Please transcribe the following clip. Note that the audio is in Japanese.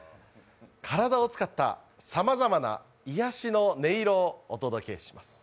体を使ったさまざまな癒やしの音色をお届けします。